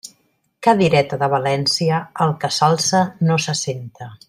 Cadireta de València, el que s'alça no s'assenta.